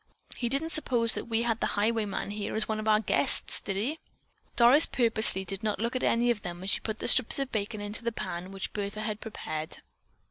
"He didn't suppose that we had the highwayman here as one of our guests, did he?" Doris purposely did not look at any of them as she put the strips of bacon into the pan which Bertha had prepared.